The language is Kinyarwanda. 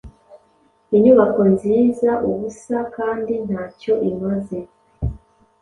Inyubako nzizaubusa kandi ntacyo imaze